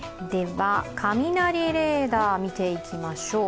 雷レーダー、見ていきましょう。